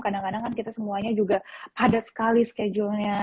kadang kadang kan kita semuanya juga padat sekali schedule nya